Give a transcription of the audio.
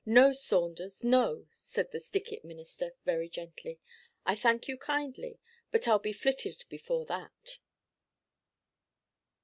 'No, Saunders, no,' said the Stickit Minister, very gently; 'I thank you kindly, but I'll be flitted before that!'